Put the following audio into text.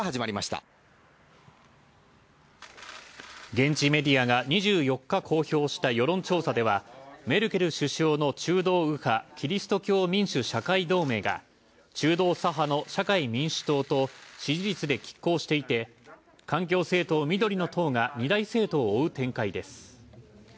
現地メディアが２４日公表した世論調査ではメルケル首相の中道右派キリスト教民主・社会同盟が中道左派の社会民主党と支持率で拮抗していて環境政党・緑の党が二大政党を追う展開です。